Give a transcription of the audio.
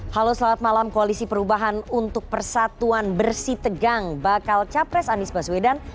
halo selamat malam koalisi perubahan untuk persatuan bersih tegang bakal capres anies baswedan